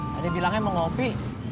tadi bilangnya mau kopi